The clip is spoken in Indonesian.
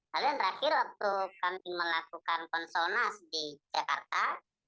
lalu yang terakhir waktu kami melakukan konsonas di jakarta